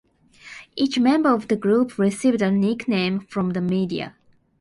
Each member of the group received a nickname from the media.